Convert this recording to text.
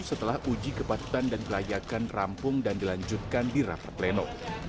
setelah uji kepatutan dan kelayakan rampung dan dilanjutkan di rapat pleno